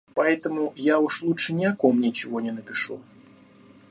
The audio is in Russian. Поэтому я уж лучше ни о ком ничего не напишу.